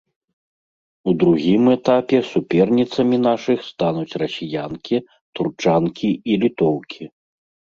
У другім этапе суперніцамі нашых стануць расіянкі, турчанкі і літоўкі.